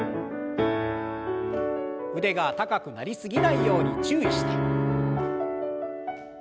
腕が高くなり過ぎないように注意して。